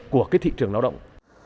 của cái thị trường lao động